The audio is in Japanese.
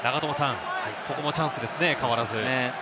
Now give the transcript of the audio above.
ここもチャンスですね、変わらず。